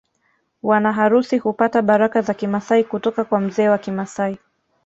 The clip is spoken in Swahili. Wanaharusi hupata baraka za Kimasai kutoka kwa mzee wa Kimasai